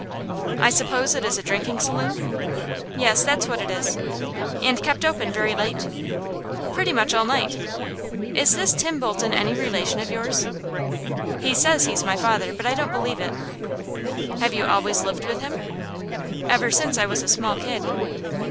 "I suppose it is a drinking saloon?" "Yes, that's what it is." "And kept open very late?" "Pretty much all night." "Is this Tim Bolton any relation of yours?" "He says he's my father; but I don't believe it." "Have you always lived with him?" "Ever since I was a small kid."